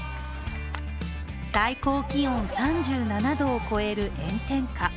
最高気温３７度を超える炎天下。